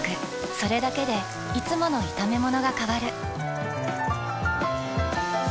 それだけでいつもの炒めものが変わる。